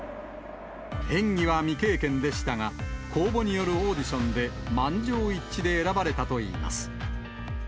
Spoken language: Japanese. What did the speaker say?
演技は未経験でしたが、公募によるオーディションで満場一致で選ばれたといいます。